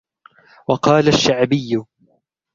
وَقَالَ الشَّعْبِيُّ